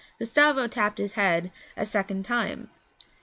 Gustavo tapped his head a second time.